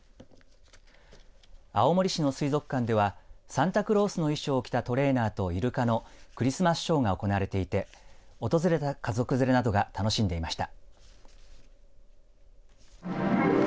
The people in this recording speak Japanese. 青森市の水族館ではサンタクロースの衣装を着たトレーナーとイルカのクリスマスショーが行われていて訪れた家族連れなどが楽しんでいました。